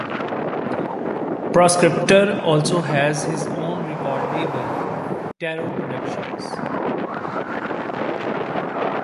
Proscriptor also has his own record label, Tarot Productions.